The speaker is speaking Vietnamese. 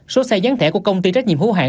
số xe gián thẻ của công ty trách nhiệm hữu hạng